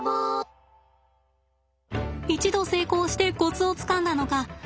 一度成功してコツをつかんだのか